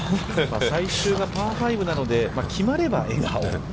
最終がパー５なので、決まれば笑顔。